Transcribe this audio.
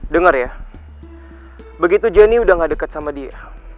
dengar ya begitu jenny udah nggak deket sama dia